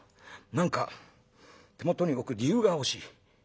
何か手元に置く理由が欲しい。